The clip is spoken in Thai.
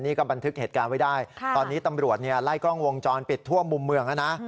นี่ก็บันทึกเหตุการณ์ไว้ได้ตอนนี้ตำรวจไล่กล้องวงจรปิดทั่วมุมเมืองแล้วนะ